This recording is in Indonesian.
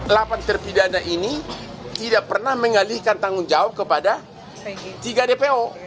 delapan terpidana ini tidak pernah mengalihkan tanggung jawab kepada tiga dpo